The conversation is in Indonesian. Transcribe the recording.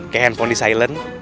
kayak handphone di silent